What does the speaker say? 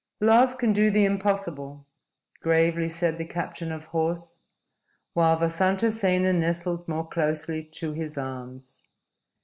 "Love can do the impossible," gravely said the captain of horse, while Vasantasena nestled more closely to his arms.